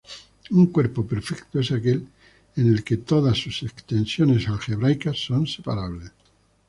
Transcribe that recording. Un cuerpo perfecto es aquel en que todas sus extensiones algebraicas son separables.